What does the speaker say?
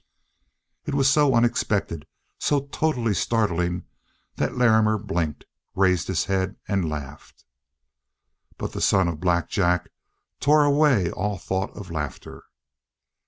It was so unexpected, so totally startling, that Larrimer blinked, raised his head, and laughed. But the son of Black Jack tore away all thought of laughter.